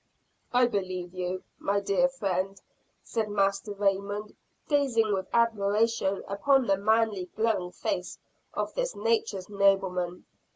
"I believe you, my dear friend," said Master Raymond, gazing with admiration upon the manly, glowing face of this nature's nobleman.